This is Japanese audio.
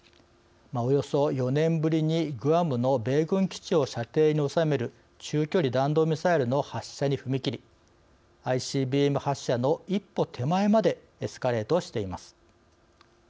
およそ４年ぶりにグアムの米軍基地を射程に収める中距離弾道ミサイルの発射に踏み切りＩＣＢＭ発射の一歩手前までエスカレートしています。